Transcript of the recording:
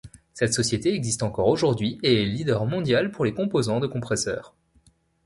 Cette société existe encore aujourd’hui et est leader mondial pour les composants de compresseurs.